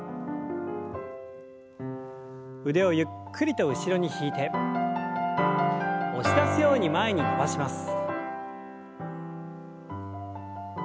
腕をゆっくりと後ろに引いて押し出すように前に伸ばします。